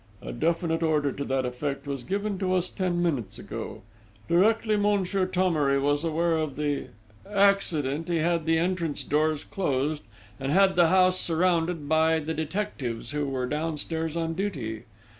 A definite order to that effect was given us ten minutes ago. Directly Monsieur Thomery was aware of the ... accident he had the entrance doors closed and had the house surrounded by the detectives who were downstairs on duty.